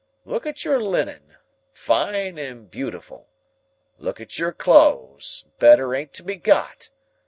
Look at your linen; fine and beautiful! Look at your clothes; better ain't to be got!